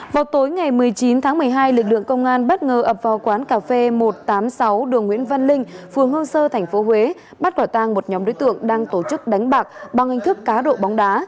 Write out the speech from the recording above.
vào tối ngày một mươi chín tháng một mươi hai lực lượng công an bất ngờ ập vào quán cà phê một trăm tám mươi sáu đường nguyễn văn linh phường hương sơ tp huế bắt quả tang một nhóm đối tượng đang tổ chức đánh bạc bằng hình thức cá độ bóng đá